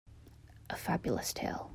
A Fabulous tale